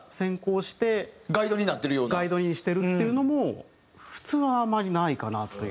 ガイドにしてるっていうのも普通はあまりないかなという。